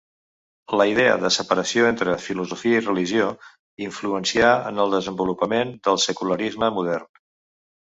La idea de separació entre filosofia i religió influencià en el desenvolupament del secularisme modern.